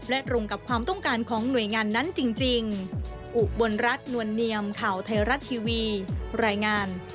และตรงกับความต้องการของหน่วยงานนั้นจริง